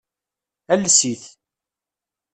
Ales-it.